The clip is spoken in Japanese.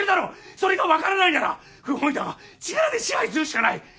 それが分からないなら不本意だが力で支配するしかない。